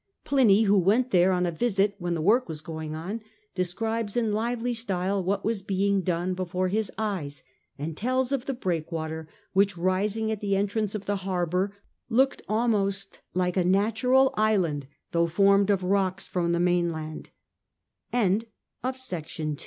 Pliny, who went there on a Pliny, vi. when the work was going on, describes 3 in lively style what was being done before his eyes, and tells of the breakwater which, rising at the entrance of the harbour, looked almost like a natural island, though formed